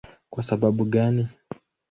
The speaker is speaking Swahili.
Kwa sababu gani?